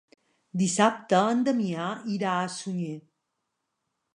Dissabte en Damià irà a Sunyer.